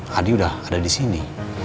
karena kan adi udah ada disini